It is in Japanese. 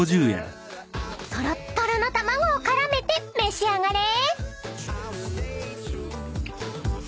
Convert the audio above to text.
［とろっとろの卵を絡めて召し上がれ］